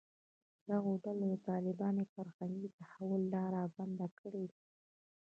دغو ډلو د طالباني فرهنګي تحول لاره بنده کړې ده